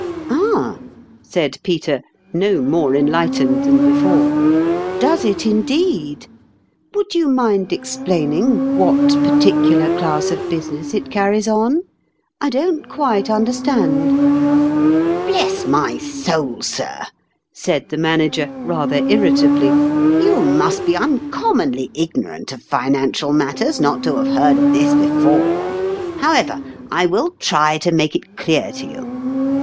JJrotogtte. 21 " Ah !" said Peter, no more enliglitened than before, " does it indeed ? Would you mind explaining what particular class of busi ness it carries on ? I don't quite under stand." "Bless my soul, sir!" said the Manager, rather irritably, you must be uncommonly ig norant of financial matters not to have heard of this before ! However, I will try to make it clear to you.